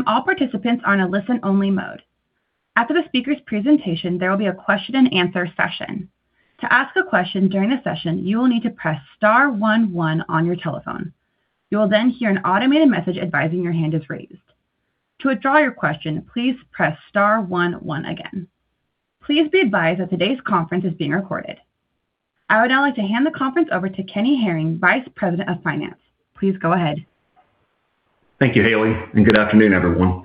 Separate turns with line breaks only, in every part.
I would now like to hand the conference over to Kenny Herring, Vice President of Finance. Please go ahead.
Thank you, Haley, good afternoon, everyone.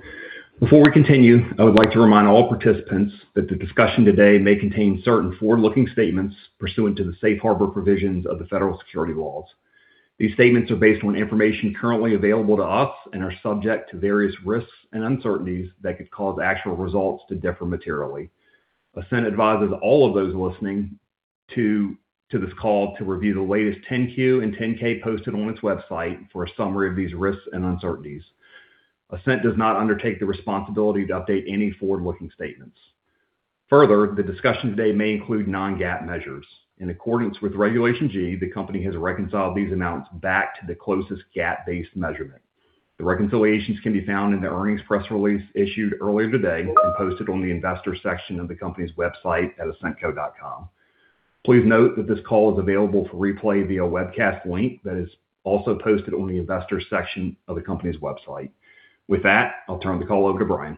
Before we continue, I would like to remind all participants that the discussion today may contain certain forward-looking statements pursuant to the Safe Harbor provisions of the Federal Securities Laws. These statements are based on information currently available to us and are subject to various risks and uncertainties that could cause actual results to differ materially. Ascent advises all of those listening to this call to review the latest 10-Q and 10-K posted on its website for a summary of these risks and uncertainties. Ascent does not undertake the responsibility to update any forward-looking statements. The discussion today may include non-GAAP measures. In accordance with Regulation G, the company has reconciled these amounts back to the closest GAAP-based measurement. The reconciliations can be found in the earnings press release issued earlier today and posted on the investor section of the company's website at ascentco.com. Please note that this call is available for replay via webcast link that is also posted on the investor section of the company's website. With that, I'll turn the call over to Bryan.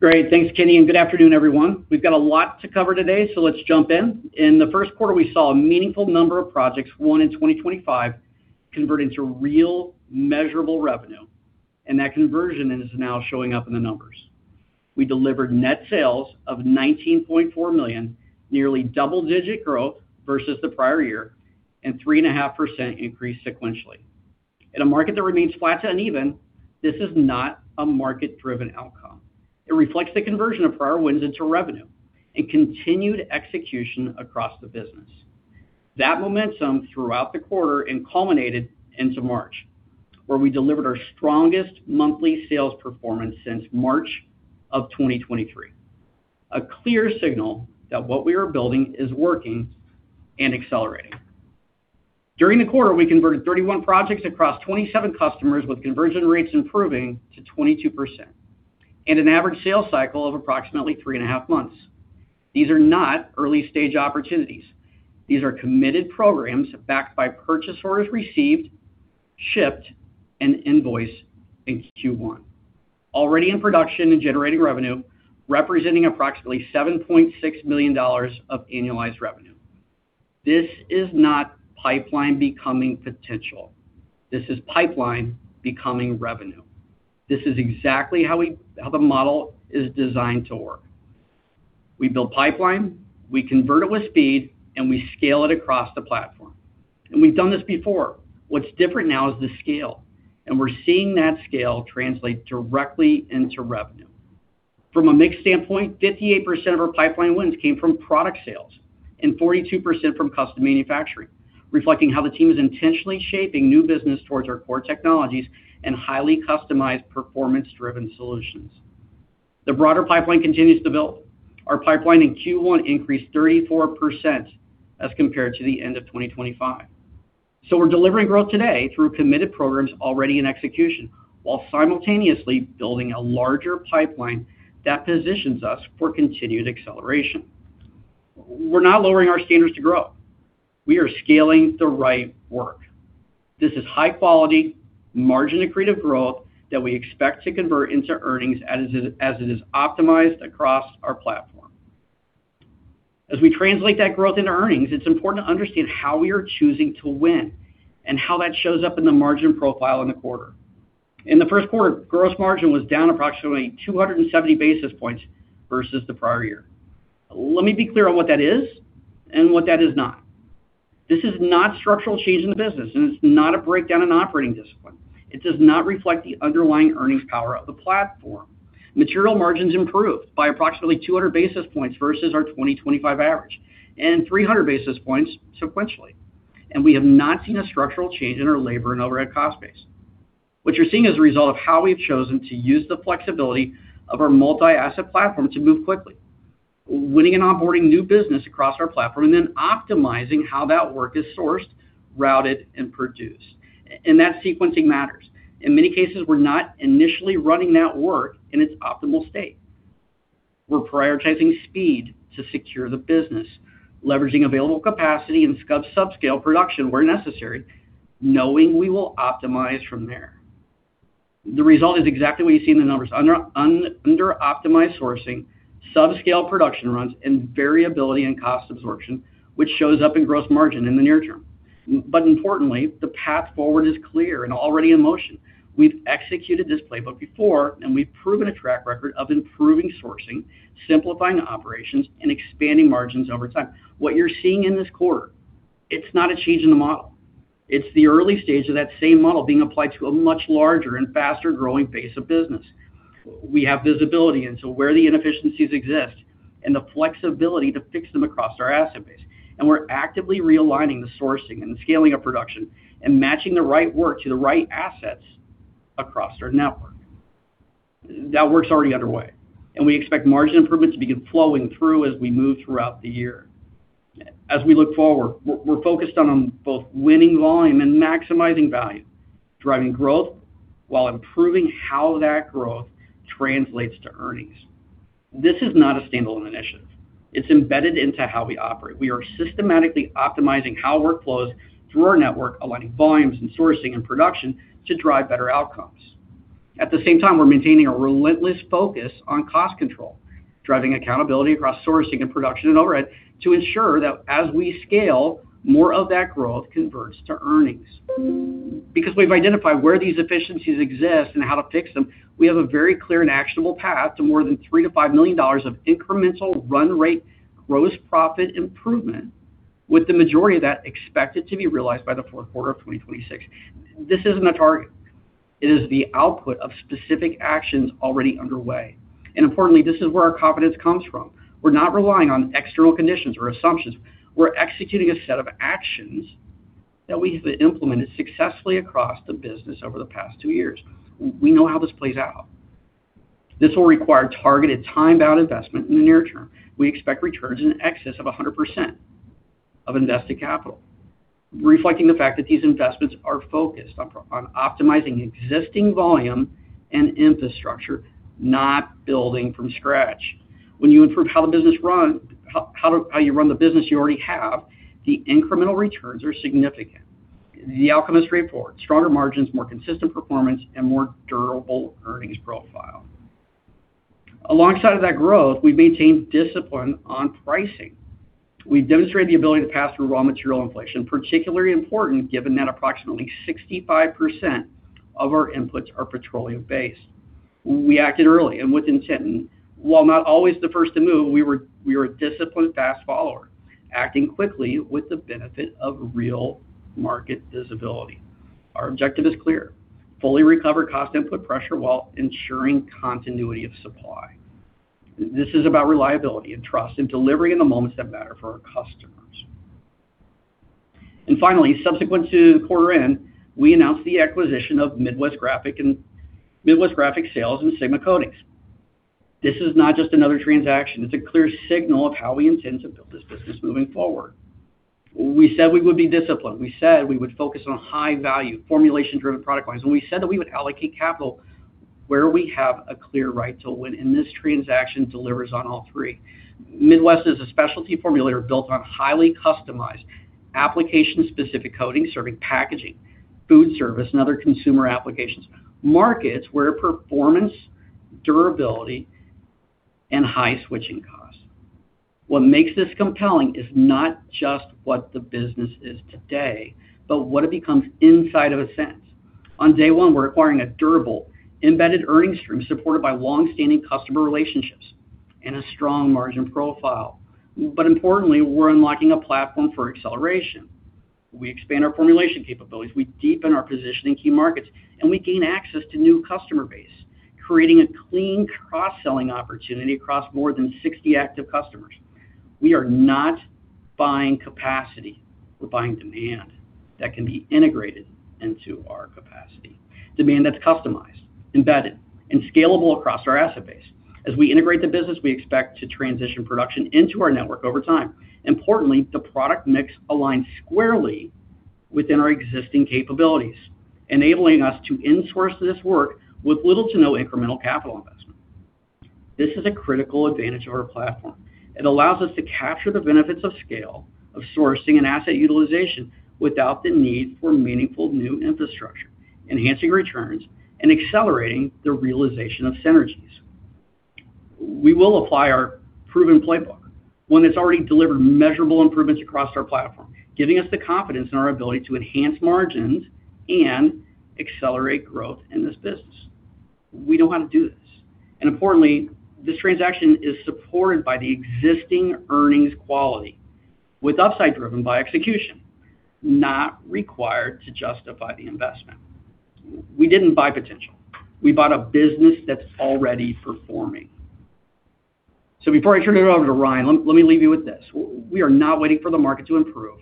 Great. Thanks, Kenny, and good afternoon, everyone. We've got a lot to cover today, so let's jump in. In the first quarter, we saw a meaningful number of projects won in 2025 convert into real measurable revenue, and that conversion is now showing up in the numbers. We delivered net sales of $19.4 million, nearly double-digit growth versus the prior year, and 3.5% increase sequentially. In a market that remains flat to uneven, this is not a market-driven outcome. It reflects the conversion of prior wins into revenue and continued execution across the business. That momentum throughout the quarter and culminated into March, where we delivered our strongest monthly sales performance since March of 2023. A clear signal that what we are building is working and accelerating. During the quarter, we converted 31 projects across 27 customers with conversion rates improving to 22% and an average sales cycle of approximately three and a half months. These are not early-stage opportunities. These are committed programs backed by purchase orders received, shipped, and invoiced in Q1. Already in production and generating revenue, representing approximately $7.6 million of annualized revenue. This is not pipeline becoming potential. This is pipeline becoming revenue. This is exactly how the model is designed to work. We build pipeline, we convert it with speed, and we scale it across the platform. We've done this before. What's different now is the scale, and we're seeing that scale translate directly into revenue. From a mix standpoint, 58% of our pipeline wins came from product sales and 42% from custom manufacturing, reflecting how the team is intentionally shaping new business towards our core technologies and highly customized performance-driven solutions. The broader pipeline continues to build. Our pipeline in Q1 increased 34% as compared to the end of 2025. We're delivering growth today through committed programs already in execution, while simultaneously building a larger pipeline that positions us for continued acceleration. We're not lowering our standards to grow. We are scaling the right work. This is high-quality, margin-accretive growth that we expect to convert into earnings as it is optimized across our platform. As we translate that growth into earnings, it's important to understand how we are choosing to win and how that shows up in the margin profile in the quarter. In the first quarter, gross margin was down approximately 270 basis points versus the prior year. Let me be clear on what that is and what that is not. This is not structural change in the business, and it's not a breakdown in operating discipline. It does not reflect the underlying earnings power of the platform. Material margins improved by approximately 200 basis points versus our 2025 average and 300 basis points sequentially. We have not seen a structural change in our labor and overhead cost base. What you're seeing is a result of how we've chosen to use the flexibility of our multi-asset platform to move quickly. Winning and onboarding new business across our platform and then optimizing how that work is sourced, routed, and produced. That sequencing matters. In many cases, we're not initially running that work in its optimal state. We're prioritizing speed to secure the business, leveraging available capacity and subscale production where necessary, knowing we will optimize from there. The result is exactly what you see in the numbers. Under optimized sourcing, subscale production runs and variability in cost absorption, which shows up in gross margin in the near term. Importantly, the path forward is clear and already in motion. We've executed this playbook before, and we've proven a track record of improving sourcing, simplifying operations, and expanding margins over time. What you're seeing in this quarter, it's not a change in the model. It's the early stage of that same model being applied to a much larger and faster-growing base of business. We have visibility into where the inefficiencies exist and the flexibility to fix them across our asset base. We're actively realigning the sourcing and scaling of production and matching the right work to the right assets across our network. That work's already underway, and we expect margin improvements to begin flowing through as we move throughout the year. As we look forward, we're focused on both winning volume and maximizing value, driving growth while improving how that growth translates to earnings. This is not a standalone initiative. It's embedded into how we operate. We are systematically optimizing how work flows through our network, aligning volumes and sourcing and production to drive better outcomes. At the same time, we're maintaining a relentless focus on cost control, driving accountability across sourcing and production and overhead to ensure that as we scale, more of that growth converts to earnings. Because we've identified where these efficiencies exist and how to fix them, we have a very clear and actionable path to more than $3 million-$5 million of incremental run rate gross profit improvement, with the majority of that expected to be realized by the fourth quarter of 2026. This isn't a target. It is the output of specific actions already underway. Importantly, this is where our confidence comes from. We're not relying on external conditions or assumptions. We're executing a set of actions that we have implemented successfully across the business over the past two years. We know how this plays out. This will require targeted time-bound investment in the near term. We expect returns in excess of 100% of invested capital, reflecting the fact that these investments are focused on optimizing existing volume and infrastructure, not building from scratch. When you improve how the business run, how you run the business you already have, the incremental returns are significant. The outcome is straightforward: stronger margins, more consistent performance, and more durable earnings profile. Alongside of that growth, we've maintained discipline on pricing. We've demonstrated the ability to pass through raw material inflation, particularly important given that approximately 65% of our inputs are petroleum-based. We acted early and with intent. While not always the first to move, we were a disciplined fast follower, acting quickly with the benefit of real market visibility. Our objective is clear: fully recover cost input pressure while ensuring continuity of supply. This is about reliability and trust and delivering in the moments that matter for our customers. Finally, subsequent to the quarter end, we announced the acquisition of Midwest Graphic Sales and Sigma Coatings. This is not just another transaction. It's a clear signal of how we intend to build this business moving forward. We said we would be disciplined. We said we would focus on high-value, formulation-driven product lines, and we said that we would allocate capital where we have a clear right to win, and this transaction delivers on all three. Midwest is a specialty formulator built on highly customized application-specific coatings, serving packaging, food service, and other consumer applications, markets where performance, durability, and high switching costs. What makes this compelling is not just what the business is today, but what it becomes inside of Ascent. On day one, we're acquiring a durable embedded earnings stream supported by long-standing customer relationships and a strong margin profile. Importantly, we're unlocking a platform for acceleration. We expand our formulation capabilities, we deepen our position in key markets, and we gain access to new customer base, creating a clean cross-selling opportunity across more than 60 active customers. We are not buying capacity. We're buying demand that can be integrated into our capacity. Demand that's customized, embedded, and scalable across our asset base. As we integrate the business, we expect to transition production into our network over time. Importantly, the product mix aligns squarely within our existing capabilities, enabling us to insource this work with little to no incremental capital investment. This is a critical advantage of our platform. It allows us to capture the benefits of scale of sourcing and asset utilization without the need for meaningful new infrastructure, enhancing returns and accelerating the realization of synergies. We will apply our proven playbook, one that's already delivered measurable improvements across our platform, giving us the confidence in our ability to enhance margins and accelerate growth in this business. We know how to do this. Importantly, this transaction is supported by the existing earnings quality with upside driven by execution, not required to justify the investment. We didn't buy potential. We bought a business that's already performing. Before I turn it over to Ryan, let me leave you with this. We are not waiting for the market to improve.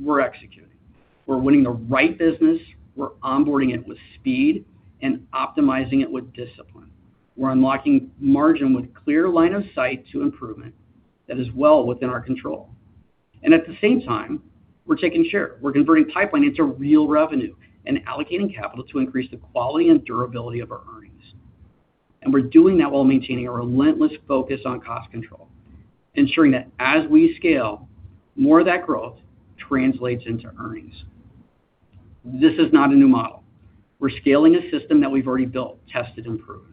We're executing. We're winning the right business. We're onboarding it with speed and optimizing it with discipline. We're unlocking margin with clear line of sight to improvement that is well within our control. At the same time, we're taking share. We're converting pipeline into real revenue and allocating capital to increase the quality and durability of our earnings. We're doing that while maintaining a relentless focus on cost control, ensuring that as we scale, more of that growth translates into earnings. This is not a new model. We're scaling a system that we've already built, tested, and proven.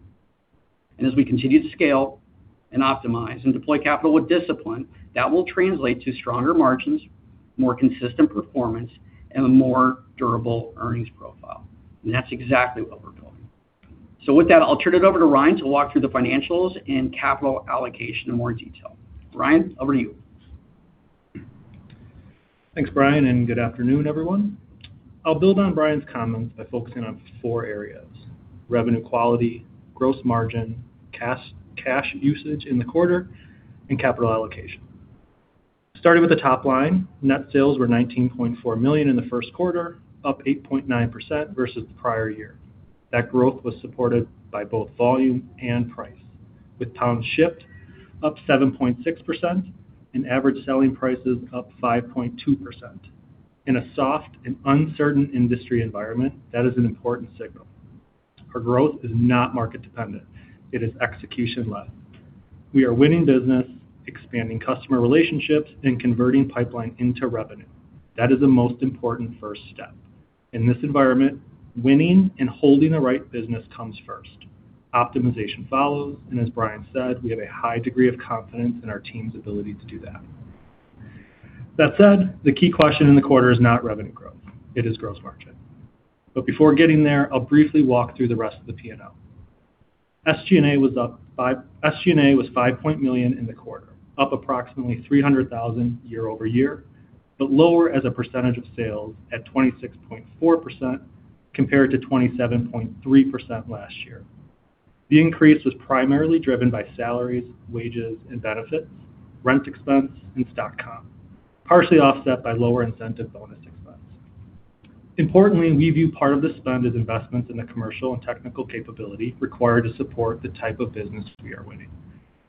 As we continue to scale and optimize and deploy capital with discipline, that will translate to stronger margins, more consistent performance, and a more durable earnings profile. That's exactly what we're building. With that, I'll turn it over to Ryan to walk through the financials and capital allocation in more detail. Ryan, over to you.
Thanks, Bryan, and good afternoon, everyone. I'll build on Bryan's comments by focusing on four areas: revenue quality, gross margin, cash usage in the quarter, and capital allocation. Starting with the top line, net sales were $19.4 million in the first quarter, up 8.9% versus the prior year. That growth was supported by both volume and price, with tons shipped up 7.6% and average selling prices up 5.2%. In a soft and uncertain industry environment, that is an important signal. Our growth is not market dependent. It is execution-led. We are winning business, expanding customer relationships, and converting pipeline into revenue. That is the most important first step. In this environment, winning and holding the right business comes first. Optimization follows, and as Bryan said, we have a high degree of confidence in our team's ability to do that. That said, the key question in the quarter is not revenue growth. It is gross margin. Before getting there, I'll briefly walk through the rest of the P&L. SG&A was $5 million in the quarter, up approximately $300,000 year-over-year, but lower as a percentage of sales at 26.4% compared to 27.3% last year. The increase was primarily driven by salaries, wages, and benefits, rent expense, and stock comp, partially offset by lower incentive bonus expense. Importantly, we view part of the spend as investments in the commercial and technical capability required to support the type of business we are winning.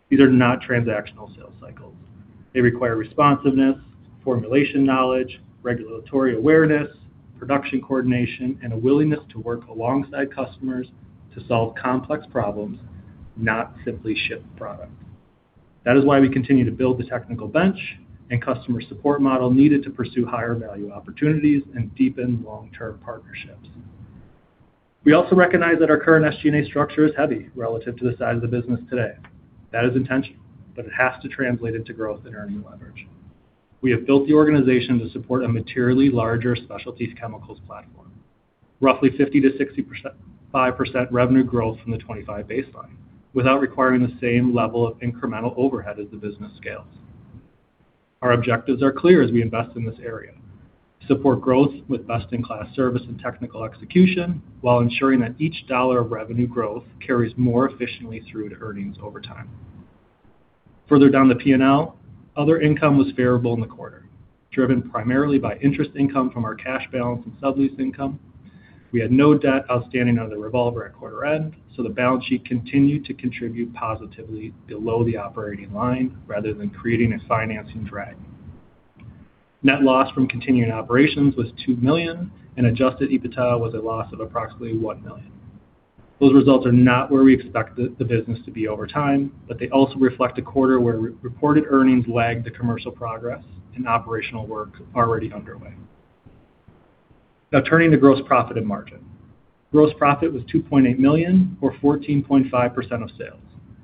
These are not transactional sales cycles. They require responsiveness, formulation knowledge, regulatory awareness, production coordination, and a willingness to work alongside customers to solve complex problems, not simply ship product. That is why we continue to build the technical bench and customer support model needed to pursue higher value opportunities and deepen long-term partnerships. We also recognize that our current SG&A structure is heavy relative to the size of the business today. That is intentional, it has to translate into growth and earnings leverage. We have built the organization to support a materially larger specialty chemicals platform, roughly 50%-60%, 5% revenue growth from the 25 baseline, without requiring the same level of incremental overhead as the business scales. Our objectives are clear as we invest in this area. Support growth with best-in-class service and technical execution while ensuring that each dollar of revenue growth carries more efficiently through to earnings over time. Further down the P&L, other income was favorable in the quarter, driven primarily by interest income from our cash balance and sublease income. We had no debt outstanding on the revolver at quarter-end, so the balance sheet continued to contribute positively below the operating line rather than creating a financing drag. Net loss from continuing operations was $2 million, and adjusted EBITDA was a loss of approximately $1 million. Those results are not where we expect the business to be over time, but they also reflect a quarter where re-reported earnings lagged the commercial progress and operational work already underway. Turning to gross profit and margin. Gross profit was $2.8 million or 14.5% of sales,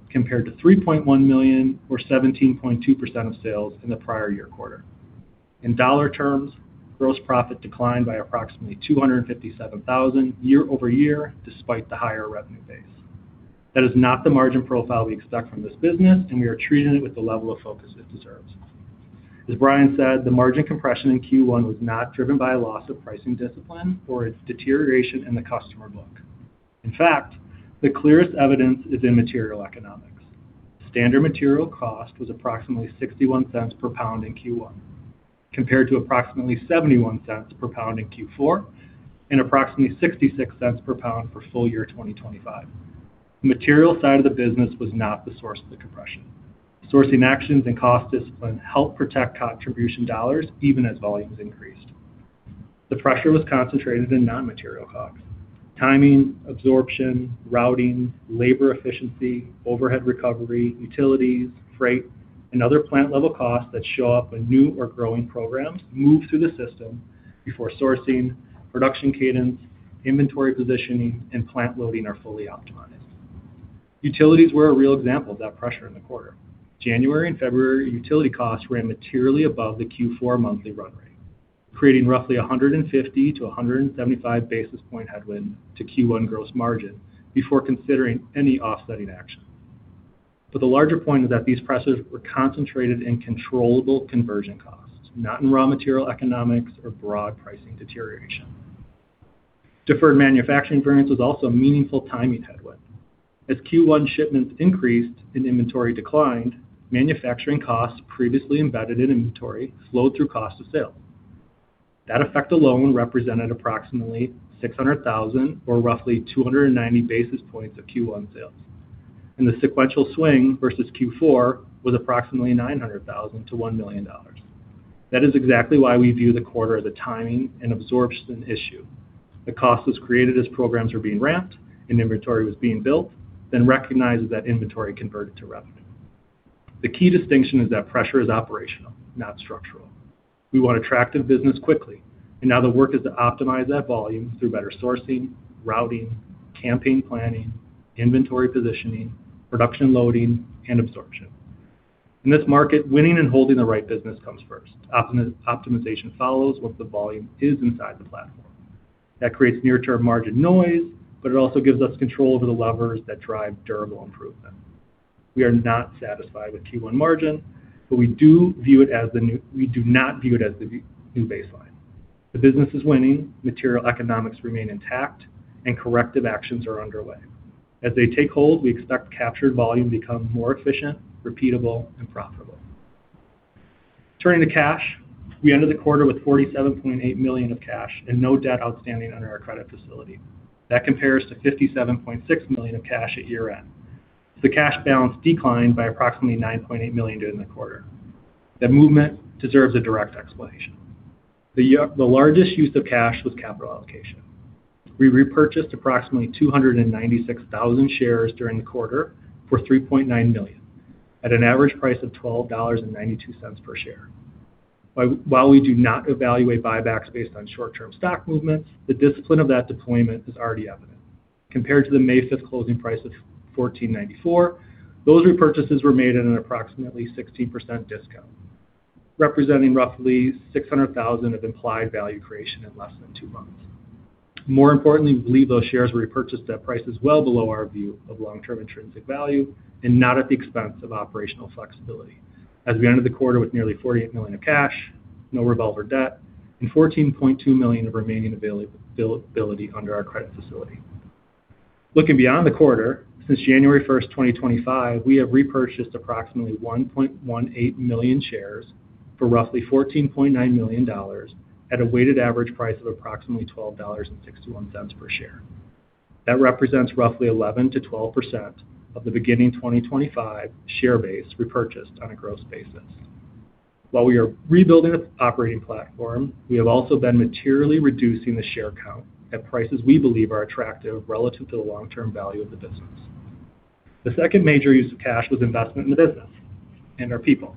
compared to $3.1 million or 17.2% of sales in the prior-year quarter. In dollar terms, gross profit declined by approximately $257,000 year-over-year despite the higher revenue base. That is not the margin profile we expect from this business, and we are treating it with the level of focus it deserves. As Bryan said, the margin compression in Q1 was not driven by a loss of pricing discipline or its deterioration in the customer book. In fact, the clearest evidence is in material economics. Standard material cost was approximately $0.61 per pound in Q1, compared to approximately $0.71 per pound in Q4 and approximately $0.66 per pound for full year 2025. The material side of the business was not the source of the compression. Sourcing actions and cost discipline help protect contribution dollars even as volumes increased. The pressure was concentrated in non-material COGS. Timing, absorption, routing, labor efficiency, overhead recovery, utilities, freight, and other plant-level costs that show up when new or growing programs move through the system before sourcing, production cadence, inventory positioning, and plant loading are fully optimized. Utilities were a real example of that pressure in the quarter. January and February utility costs ran materially above the Q4 monthly run rate, creating roughly a 150-175 basis point headwind to Q1 gross margin before considering any offsetting action. The larger point is that these pressures were concentrated in controllable conversion costs, not in raw material economics or broad pricing deterioration. Deferred manufacturing variance was also a meaningful timing headwind. As Q1 shipments increased and inventory declined, manufacturing costs previously embedded in inventory flowed through cost of sale. That effect alone represented approximately $600,000 or roughly 290 basis points of Q1 sales. The sequential swing versus Q4 was approximately $900,000-$1 million. That is exactly why we view the quarter as a timing and absorption issue. The cost was created as programs were being ramped and inventory was being built, then recognized as that inventory converted to revenue. The key distinction is that pressure is operational, not structural. We want attractive business quickly, and now the work is to optimize that volume through better sourcing, routing, campaign planning, inventory positioning, production loading, and absorption. In this market, winning and holding the right business comes first. Optimization follows once the volume is inside the platform. That creates near-term margin noise, but it also gives us control over the levers that drive durable improvement. We are not satisfied with Q1 margin, but we do not view it as the new baseline. The business is winning, material economics remain intact, and corrective actions are underway. As they take hold, we expect captured volume to become more efficient, repeatable, and profitable. Turning to cash, we ended the quarter with $47.8 million of cash and no debt outstanding under our credit facility. That compares to $57.6 million of cash at year-end. The cash balance declined by approximately $9.8 million during the quarter. That movement deserves a direct explanation. The largest use of cash was capital allocation. We repurchased approximately 296,000 shares during the quarter for $3.9 million at an average price of $12.92 per share. While we do not evaluate buybacks based on short-term stock movements, the discipline of that deployment is already evident. Compared to the May 5th closing price of $14.94, those repurchases were made at an approximately 16% discount, representing roughly $600,000 of implied value creation in less than two months. More importantly, we believe those shares were repurchased at prices well below our view of long-term intrinsic value and not at the expense of operational flexibility as we ended the quarter with nearly $48 million of cash, no revolver debt, and $14.2 million of remaining availability under our credit facility. Looking beyond the quarter, since January 1st, 2025, we have repurchased approximately 1.18 million shares for roughly $14.9 million at a weighted average price of approximately $12.61 per share. That represents roughly 11%-12% of the beginning 2025 share base repurchased on a gross basis. While we are rebuilding the operating platform, we have also been materially reducing the share count at prices we believe are attractive relative to the long-term value of the business. The second major use of cash was investment in the business and our people.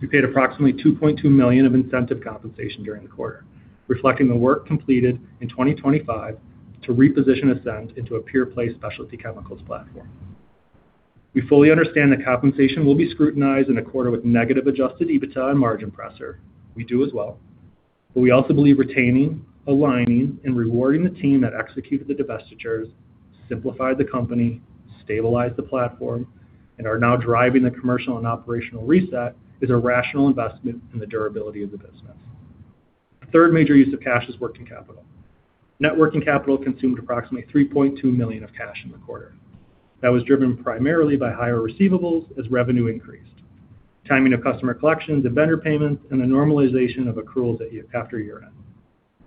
We paid approximately $2.2 million of incentive compensation during the quarter, reflecting the work completed in 2025 to reposition Ascent into a pure-play specialty chemicals platform. We fully understand that compensation will be scrutinized in a quarter with negative adjusted EBITDA and margin pressure. We do as well. We also believe retaining, aligning, and rewarding the team that executed the divestitures, simplified the company, stabilized the platform, and are now driving the commercial and operational reset is a rational investment in the durability of the business. The third major use of cash is working capital. Net working capital consumed approximately $3.2 million of cash in the quarter. That was driven primarily by higher receivables as revenue increased, timing of customer collections and vendor payments, and the normalization of accruals after year-end.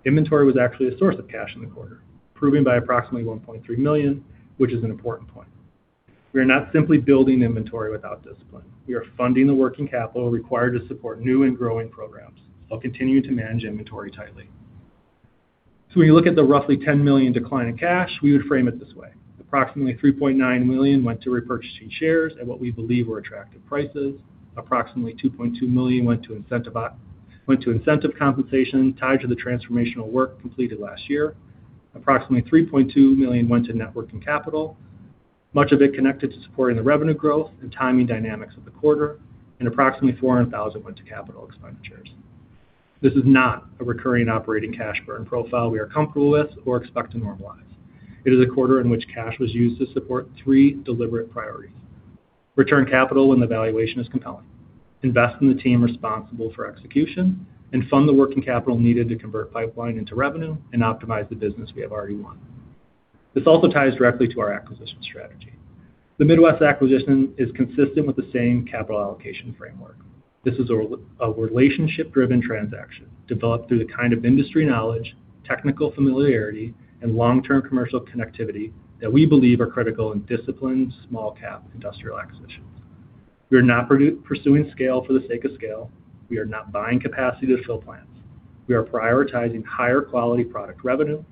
Inventory was actually a source of cash in the quarter, improving by approximately $1.3 million, which is an important point. We are not simply building inventory without discipline. We are funding the working capital required to support new and growing programs, while continuing to manage inventory tightly. When you look at the roughly $10 million decline in cash, we would frame it this way. Approximately $3.9 million went to repurchasing shares at what we believe were attractive prices. Approximately $2.2 million went to incentive compensation tied to the transformational work completed last year. Approximately $3.2 million went to net working capital, much of it connected to supporting the revenue growth and timing dynamics of the quarter, and approximately $400,000 went to capital expenditures. This is not a recurring operating cash burn profile we are comfortable with or expect to normalize. It is a quarter in which cash was used to support three deliberate priorities: return capital when the valuation is compelling, invest in the team responsible for execution, and fund the working capital needed to convert pipeline into revenue and optimize the business we have already won. This also ties directly to our acquisition strategy. The Midwest acquisition is consistent with the same capital allocation framework. This is a relationship-driven transaction developed through the kind of industry knowledge, technical familiarity, and long-term commercial connectivity that we believe are critical in disciplined small cap industrial acquisitions. We are not pursuing scale for the sake of scale. We are not buying capacity to fill plants. We are prioritizing higher quality product revenue,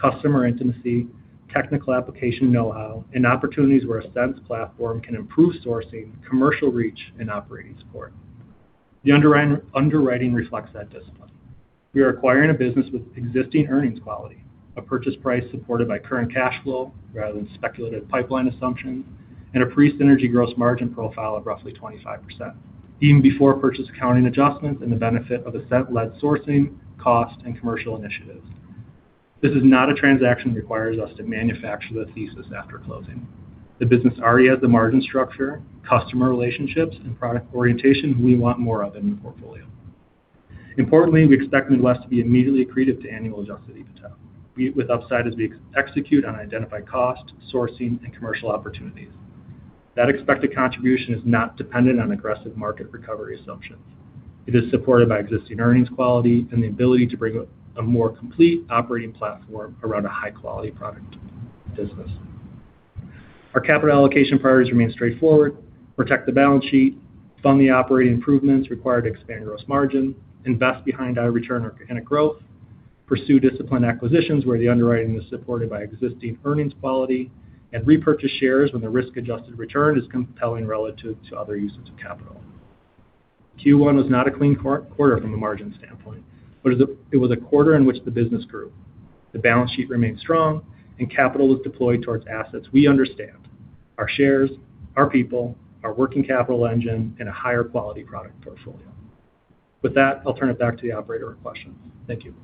customer intimacy, technical application know-how, and opportunities where Ascent's platform can improve sourcing, commercial reach, and operating support. The underwriting reflects that discipline. We are acquiring a business with existing earnings quality, a purchase price supported by current cash flow rather than speculative pipeline assumptions, and a pre-synergy gross margin profile of roughly 25%, even before purchase accounting adjustments and the benefit of Ascent-led sourcing, cost, and commercial initiatives. This is not a transaction that requires us to manufacture the thesis after closing. The business already has the margin structure, customer relationships, and product orientation we want more of in the portfolio. Importantly, we expect Midwest to be immediately accretive to annual adjusted EBITDA, with upside as we execute on identified cost, sourcing, and commercial opportunities. That expected contribution is not dependent on aggressive market recovery assumptions. It is supported by existing earnings quality and the ability to bring a more complete operating platform around a high-quality product business. Our capital allocation priorities remain straightforward: protect the balance sheet, fund the operating improvements required to expand gross margin, invest behind high return organic growth, pursue disciplined acquisitions where the underwriting is supported by existing earnings quality, and repurchase shares when the risk-adjusted return is compelling relative to other uses of capital. Q1 was not a clean quarter from a margin standpoint, but it was a quarter in which the business grew. The balance sheet remained strong, and capital was deployed towards assets we understand. Our shares, our people, our working capital engine, and a higher quality product portfolio. With that, I'll turn it back to the operator for questions. Thank you.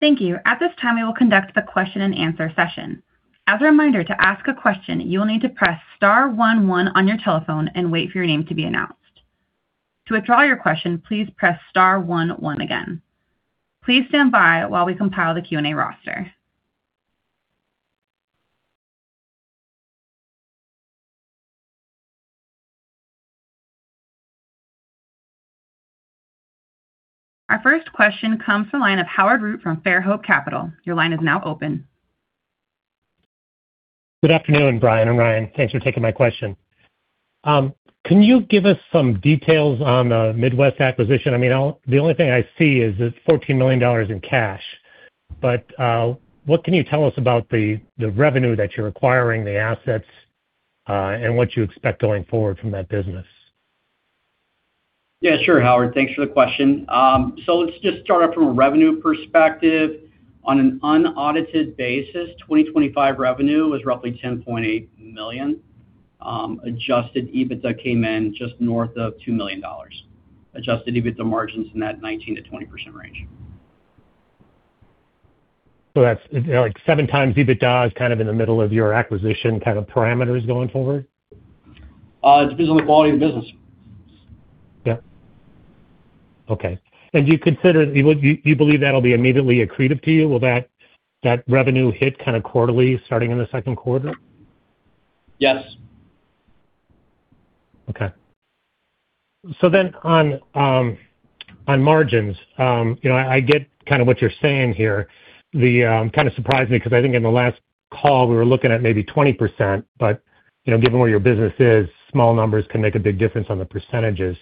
Thank you. At this time, we will conduct the question and answer session. As a reminder, to ask a question, you will need to press star one one on your telephone and wait for your name to be announced. To withdraw your question, please press star one one again. Please stand by while we compile the Q&A roster. Our first question comes from the line of Howard Root from Fairhope Capital. Your line is now open.
Good afternoon, Bryan and Ryan. Thanks for taking my question. Can you give us some details on the Midwest acquisition? I mean, the only thing I see is this $14 million in cash. What can you tell us about the revenue that you're acquiring, the assets, and what you expect going forward from that business?
Sure, Howard. Thanks for the question. Let's just start off from a revenue perspective. On an unaudited basis, 2025 revenue was roughly $10.8 million. Adjusted EBITDA came in just north of $2 million. Adjusted EBITDA margin's in that 19%-20% range.
That's, you know, like 7 times EBITDA is kind of in the middle of your acquisition kind of parameters going forward?
It depends on the quality of the business.
Yeah. Okay. Do you believe that'll be immediately accretive to you? Will that revenue hit kind of quarterly starting in the second quarter?
Yes.
Okay. On margins, you know, I get kind of what you're saying here. The kind of surprised me because I think in the last call, we were looking at maybe 20%. Given where your business is, small numbers can make a big difference on the percentages.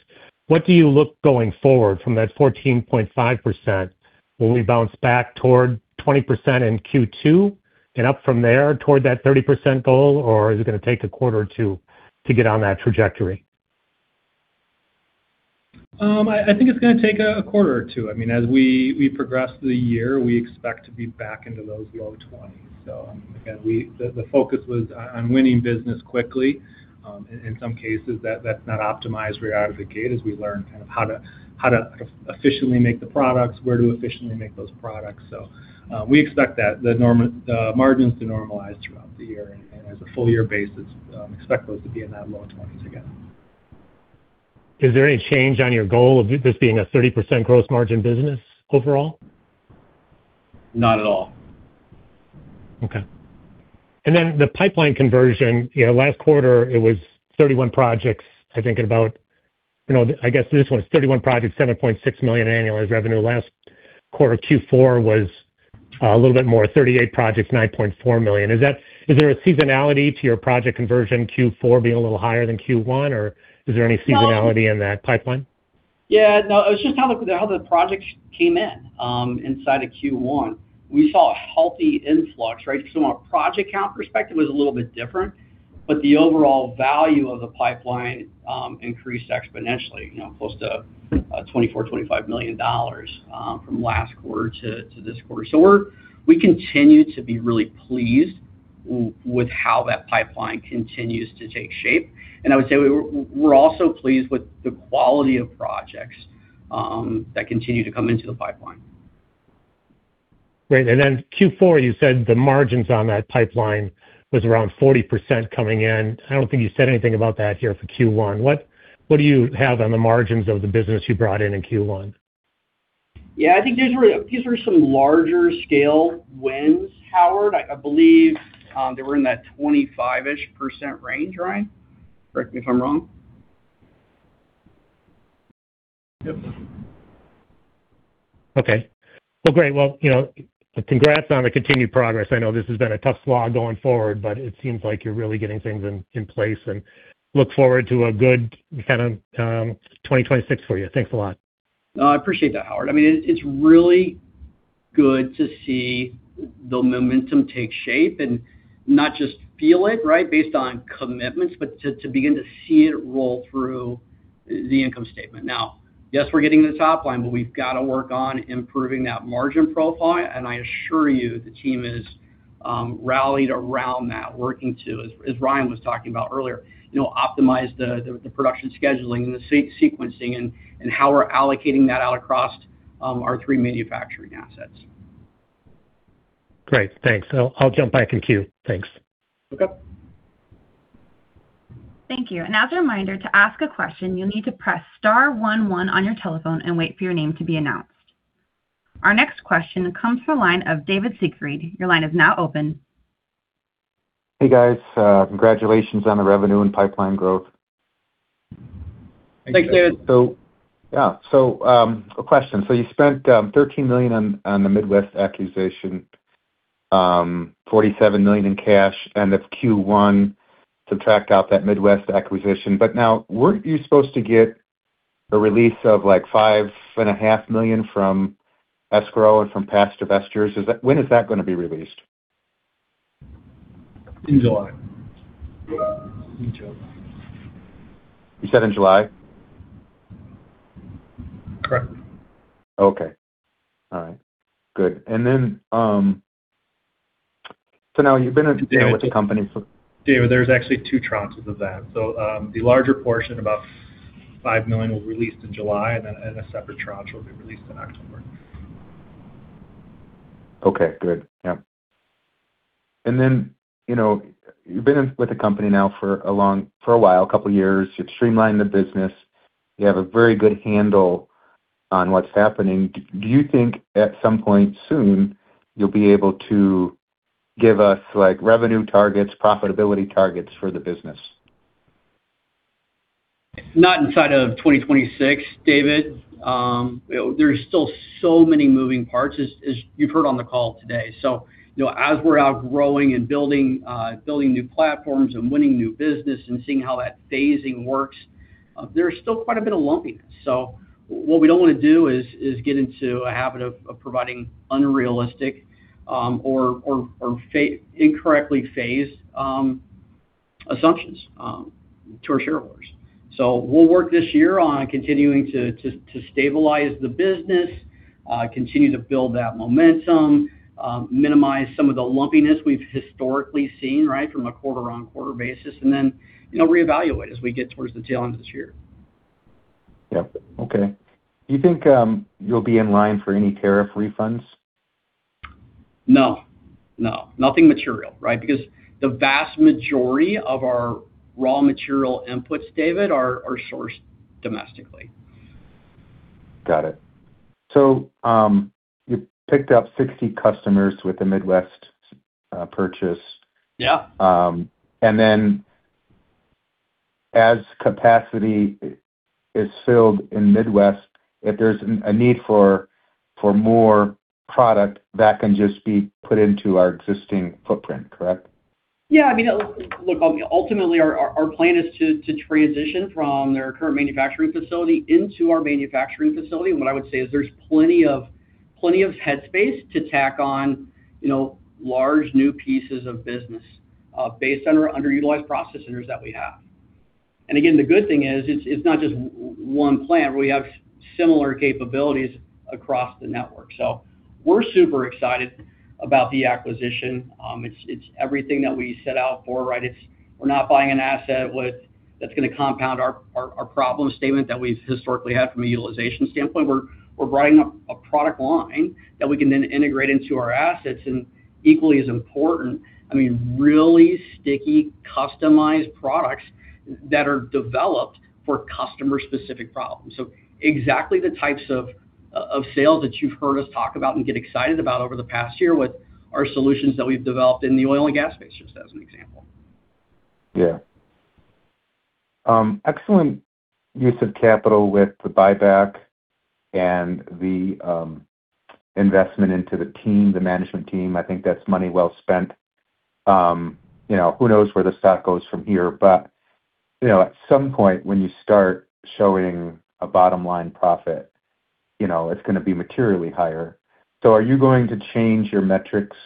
What do you look going forward from that 14.5%? Will we bounce back toward 20% in Q2 and up from there toward that 30% goal, or is it gonna take a quarter or two to get on that trajectory?
I think it's gonna take a quarter or two. I mean, as we progress through the year, we expect to be back into those low 20s. Again, the focus was on winning business quickly. In some cases that's not optimized right out of the gate as we learn kind of how to officially make the products, where to officially make those products. We expect that the margins to normalize throughout the year. As a full year basis, expect those to be in that low 20s again.
Is there any change on your goal of this being a 30% gross margin business overall?
Not at all.
Okay. The pipeline conversion, you know, last quarter it was 31 projects. You know, I guess this one is 31 projects, $7.6 million annualized revenue. Last quarter, Q4 was a little bit more, 38 projects, $9.4 million. Is there a seasonality to your project conversion in Q4 being a little higher than Q1, or is there any seasonality in that pipeline?
Yeah. No, it was just how the, how the projects came in inside of Q1. We saw a healthy influx, right? From a project count perspective, it was a little bit different, but the overall value of the pipeline increased exponentially, close to $24 million-$25 million from last quarter to this quarter. We continue to be really pleased with how that pipeline continues to take shape. I would say we're also pleased with the quality of projects that continue to come into the pipeline.
Great. Q4, you said the margins on that pipeline was around 40% coming in. I don't think you said anything about that here for Q1. What do you have on the margins of the business you brought in in Q1?
I think these were some larger scale wins, Howard. I believe they were in that 25-ish% range, Ryan, correct me if I'm wrong.
Yep.
Okay. Well, great. Well, you know, congrats on the continued progress. I know this has been a tough slog going forward, but it seems like you're really getting things in place, and look forward to a good kind of 2026 for you. Thanks a lot.
No, I appreciate that, Howard. I mean, it's really good to see the momentum take shape and not just feel it, right, based on commitments, but to begin to see it roll through the income statement. Now, yes, we're getting this top line, but we've got to work on improving that margin profile. I assure you, the team is rallied around that working to, as Ryan was talking about earlier, you know, optimize the production scheduling and the sequencing and how we're allocating that out across our three manufacturing assets.
Great. Thanks. I'll jump back in queue. Thanks.
Okay.
Thank you. As a reminder, to ask a question, you will need to press star one one on your telephone and wait for your name to be announced. Our next question comes from the line of David Siegfried. Your line is now open.
Hey, guys. Congratulations on the revenue and pipeline growth.
Thanks, David.
Yeah. A question. You spent $13 million on the Midwest acquisition, $47 million in cash. End of Q1, subtract out that Midwest acquisition. Weren't you supposed to get a release of, like, $5.5 million from escrow and from past investors? When is that gonna be released?
In July. In July.
You said in July?
Correct.
Okay. All right, good. Now you've been with the company for-
David, there's actually two tranches of that. The larger portion, about $5 million, will release in July, and then a separate tranche will be released in October.
Okay. Good. Yeah. You know, you've been in with the company now for a while, two years. You've streamlined the business. You have a very good handle on what's happening. Do you think at some point soon you'll be able to give us, like, revenue targets, profitability targets for the business?
Not inside of 2026, David. You know, there's still so many moving parts as you've heard on the call today. You know, as we're out growing and building new platforms and winning new business and seeing how that phasing works, there's still quite a bit of lumpiness. What we don't wanna do is get into a habit of providing unrealistic, or incorrectly phased, assumptions to our shareholders. We'll work this year on continuing to stabilize the business, continue to build that momentum, minimize some of the lumpiness we've historically seen, right, from a quarter-on-quarter basis. You know, reevaluate as we get towards the tail end of this year.
Yep. Okay. Do you think you'll be in line for any tariff refunds?
No. No. Nothing material, right? The vast majority of our raw material inputs, David, are sourced domestically.
Got it. You picked up 60 customers with the Midwest purchase.
Yeah.
As capacity is filled in Midwest, if there's a need for more product, that can just be put into our existing footprint, correct?
Yeah. I mean, look, ultimately our plan is to transition from their current manufacturing facility into our manufacturing facility. What I would say is there's plenty of headspace to tack on, you know, large new pieces of business, based on our underutilized processing centers that we have. Again, the good thing is it's not just one plant. We have similar capabilities across the network. We're super excited about the acquisition. It's everything that we set out for, right? It's, we're not buying an asset that's gonna compound our problem statement that we've historically had from a utilization standpoint. We're buying a product line that we can then integrate into our assets. Equally as important, I mean, really sticky, customized products that are developed for customer-specific problems. Exactly the types of sales that you've heard us talk about and get excited about over the past year with our solutions that we've developed in the oil and gas space, just as an example.
Yeah. Excellent use of capital with the buyback and the investment into the team, the management team. I think that's money well spent. You know, who knows where the stock goes from here. You know, at some point when you start showing a bottom-line profit, you know, it's gonna be materially higher. Are you going to change your metrics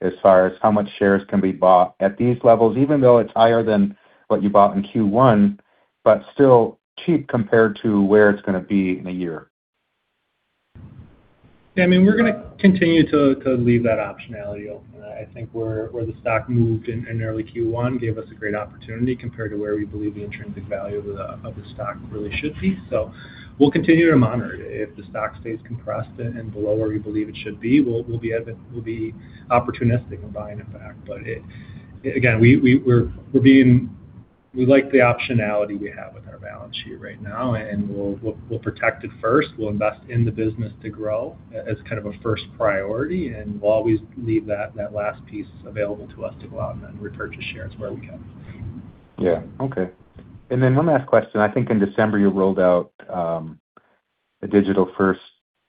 as far as how much shares can be bought at these levels, even though it's higher than what you bought in Q1, but still cheap compared to where it's gonna be in a year?
Yeah, I mean, we're gonna continue to leave that optionality open. I think where the stock moved in early Q1 gave us a great opportunity compared to where we believe the intrinsic value of the stock really should be. We'll continue to monitor it. If the stock stays compressed and below where we believe it should be, we'll be opportunistic in buying it back. Again, we like the optionality we have with our balance sheet right now, and we'll protect it first. We'll invest in the business to grow as kind of a first priority. We'll always leave that last piece available to us to go out and then repurchase shares where we can.
Yeah. Okay. One last question. I think in December you rolled out the digital-first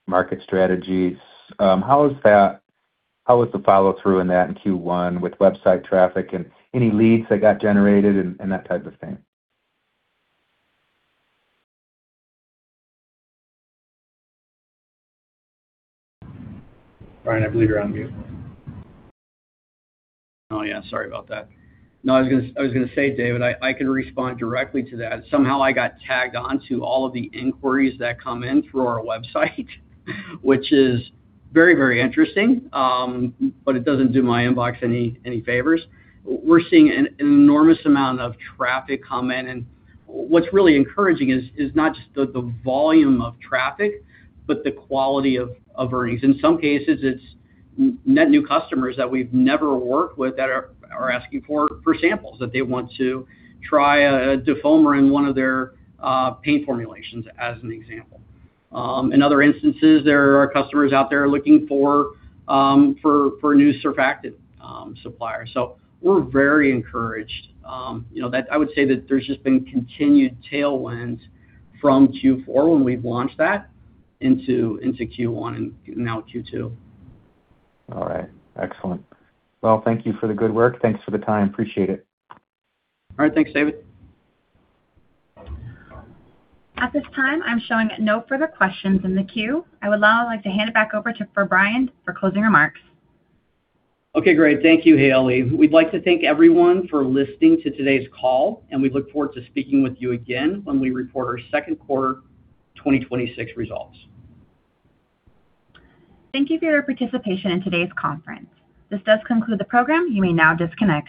market strategies. How was the follow-through in that in Q1 with website traffic and any leads that got generated and that type of thing?
Bryan, I believe you're on mute.
Oh, yeah. Sorry about that. No, I was gonna say, David, I can respond directly to that. Somehow I got tagged onto all of the inquiries that come in through our website, which is very, very interesting. It doesn't do my inbox any favors. We're seeing an enormous amount of traffic come in, and what's really encouraging is not just the volume of traffic but the quality of earnings. In some cases, it's net new customers that we've never worked with that are asking for samples, that they want to try a defoamer in one of their paint formulations, as an example. In other instances, there are customers out there looking for a new surfactant supplier. We're very encouraged. You know, I would say that there's just been continued tailwinds from Q4 when we've launched that into Q1 and now Q2.
All right. Excellent. Well, thank you for the good work. Thanks for the time. Appreciate it.
All right. Thanks, David.
At this time, I'm showing no further questions in the queue. I would now like to hand it back over for Bryan for closing remarks.
Okay. Great. Thank you, Haley. We'd like to thank everyone for listening to today's call, and we look forward to speaking with you again when we report our second quarter 2026 results.
Thank you for your participation in today's conference. This does conclude the program. You may now disconnect.